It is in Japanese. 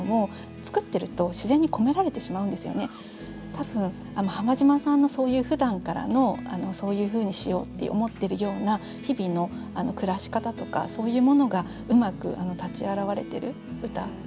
多分浜島さんのそういうふだんからのそういうふうにしようって思ってるような日々の暮らし方とかそういうものがうまく立ち現れてる歌だったなと思ってます。